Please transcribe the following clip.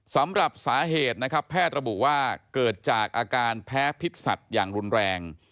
สำหรับสาเหตุนะครับแพทย์ระบุว่าเกิดจากอาการแพ้พิษสัตว์อย่างรุนแรง